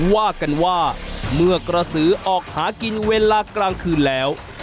ว่ากันว่าเมื่อกระสือออกหากินเวลากลางคืนแล้ว